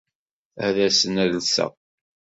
Ad asen-alseɣ.